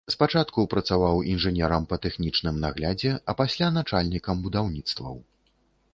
Спачатку працаваў інжынерам па тэхнічным наглядзе, а пасля начальнікам будаўніцтваў.